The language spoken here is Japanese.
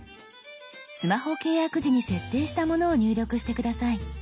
スマホ契約時に設定したものを入力して下さい。